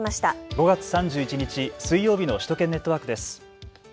５月３１日、水曜日の首都圏ネットワークです。